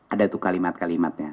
ada tuh kalimat kalimatnya